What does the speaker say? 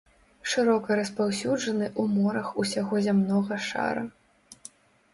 Шырока распаўсюджаны ў морах усяго зямнога шара.